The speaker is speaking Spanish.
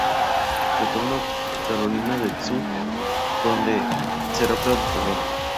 Retorna a Carolina del Sud donde será plantador.